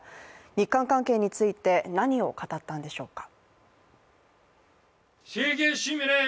日韓関係について何を語ったんでしょうか。